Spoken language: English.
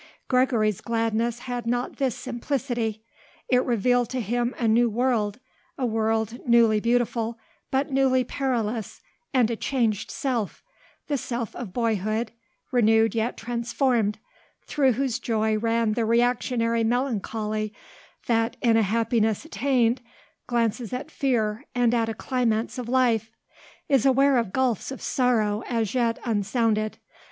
Gregory's gladness had not this simplicity. It revealed to him a new world, a world newly beautiful but newly perilous, and a changed self, the self of boyhood, renewed yet transformed, through whose joy ran the reactionary melancholy that, in a happiness attained, glances at fear, and at a climax of life, is aware of gulfs of sorrow as yet unsounded.